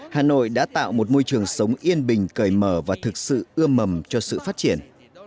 hà nội đã tạo một môi trường sống yên bình cởi mở và thực sự ưa mầm cho sự phát triển